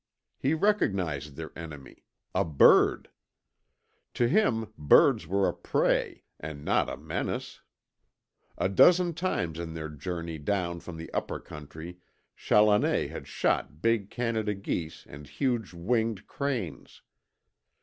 He recognized their enemy A BIRD. To him birds were a prey, and not a menace. A dozen times in their journey down from the Upper Country Challoner had shot big Canada geese and huge winged cranes.